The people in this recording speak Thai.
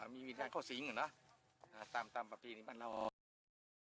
มีวิทยาเข้าสิงห์เนอะตามประพรีนี้บ้านเราเนอะ